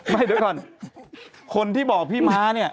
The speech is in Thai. ไม่เดี๋ยวก่อนคนที่บอกพี่ม้าเนี่ย